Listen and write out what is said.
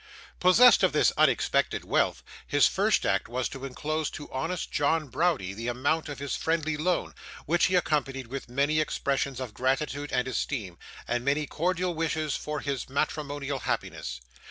Possessed of this unexpected wealth, his first act was to enclose to honest John Browdie the amount of his friendly loan, which he accompanied with many expressions of gratitude and esteem, and many cordial wishes for his matrimonial happiness.